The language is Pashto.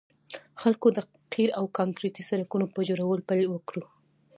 خلکو د قیر او کانکریټي سړکونو په جوړولو پیل وکړ